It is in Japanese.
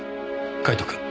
カイトくん。